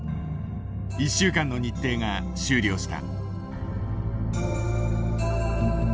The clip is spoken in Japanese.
１週間の日程が終了した。